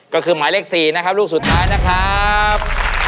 ก็คือหมายเลข๔นะครับลูกสุดท้ายนะครับ